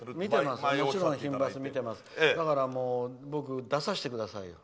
だから僕、出させてくださいよ。